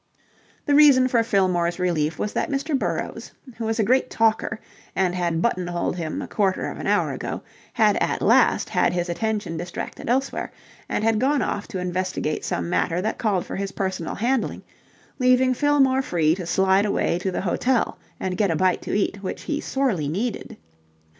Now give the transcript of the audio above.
The reason for Fillmore's relief was that Mr. Burrowes, who was a great talker and had buttonholed him a quarter of an hour ago, had at last had his attention distracted elsewhere, and had gone off to investigate some matter that called for his personal handling, leaving Fillmore free to slide away to the hotel and get a bite to eat, which he sorely needed.